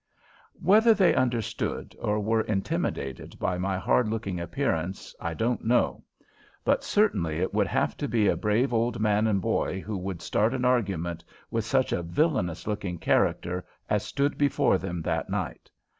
Whether they understood or were intimidated by my hard looking appearance, I don't know, but certainly it would have to be a brave old man and boy who would start an argument with such a villainous looking character as stood before them that night!